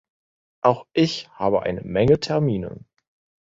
Auch ich habe eine Menge Termine.